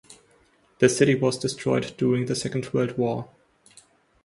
The city was destroyed during the Second World War.